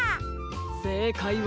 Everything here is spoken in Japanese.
せいかいは。